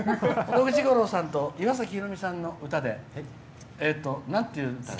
野口五郎さんと岩崎宏美さんの歌でなんていう歌？